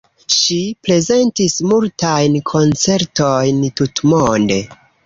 Ŝi prezentis multajn koncertojn tutmonde.